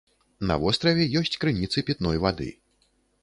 На востраве ёсць крыніцы пітной вады.